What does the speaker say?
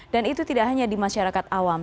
dan itu tidak hanya di masyarakat awam